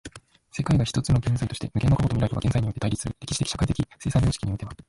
世界が一つの現在として、無限の過去と未来とが現在において対立する歴史的社会的生産様式においては、